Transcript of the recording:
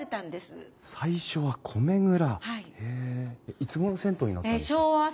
いつごろ銭湯になったんですか？